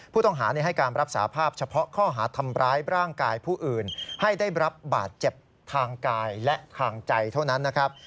ผู้ต้องหาให้การรับสาภาพเฉพาะข้อหาทำร้ายร่างกายผู้อื่นให้ได้รับบาดเจ็บทางกายและทางใจเท่านั้นนะครับ